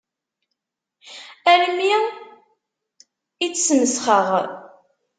Armi i tt-smesxeɣ.